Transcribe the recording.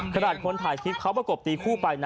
ขนาดคนถ่ายคลิปเขาประกบตีคู่ไปนะ